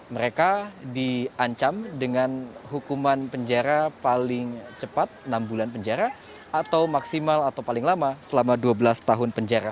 mereka diancam dengan hukuman penjara paling cepat enam bulan penjara atau maksimal atau paling lama selama dua belas tahun penjara